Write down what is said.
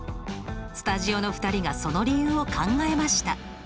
スタジオの２人がその理由を考えました。